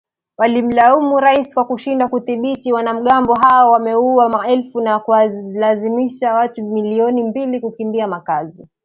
Walimlaumu Rais kwa kushindwa kudhibiti wanamgambo ambao wameua maelfu na kuwalazimisha watu milioni mbili kukimbia makazi